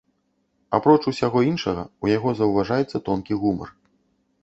Апроч усяго іншага, у яго заўважаецца тонкі гумар.